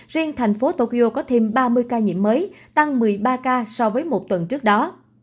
riêng thành phố tokyo có thêm ba mươi ca nhiễm mới tăng một mươi ba ca so với một tuần trước đó